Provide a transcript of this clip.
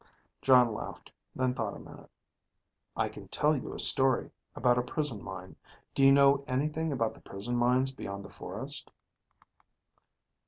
Jon laughed, then thought a minute. "I can tell you a story, about a prison mine. Do you know anything about the prison mines beyond the forest?"